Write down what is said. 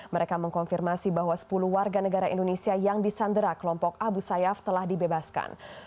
mereka mengkonfirmasi bahwa sepuluh warga negara indonesia yang disandera kelompok abu sayyaf telah dibebaskan